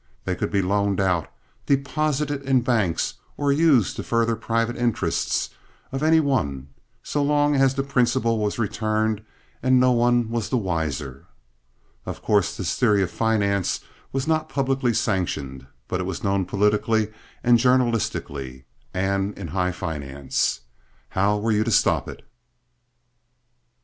They could be loaned out, deposited in banks or used to further private interests of any one, so long as the principal was returned, and no one was the wiser. Of course, this theory of finance was not publicly sanctioned, but it was known politically and journalistically, and in high finance. How were you to stop it?